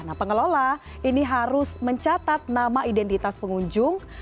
nah pengelola ini harus mencatat nama identitas pengunjung